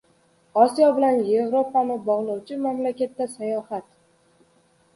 Osiyo bilan Yevropani bog‘lovchi mamlakatga sayohat!